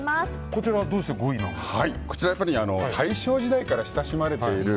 こちら大正時代から親しまれている